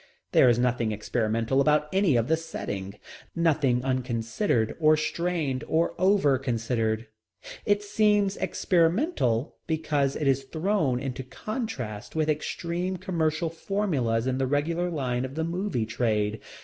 There is nothing experimental about any of the setting, nothing unconsidered or strained or over considered. It seems experimental because it is thrown into contrast with extreme commercial formulas in the regular line of the "movie trade."